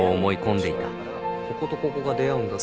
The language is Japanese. でこことここが出会うんだったら。